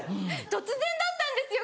突然だったんですよ